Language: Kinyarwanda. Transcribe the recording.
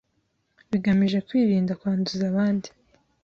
bigamije kwirinda kwanduza abandi